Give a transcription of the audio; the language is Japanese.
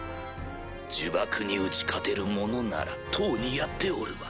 呪縛に打ち勝てるものならとうにやっておるわ。